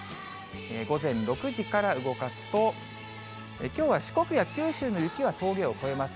午前６時から動かすと、きょうは四国や九州の雪は峠を越えます。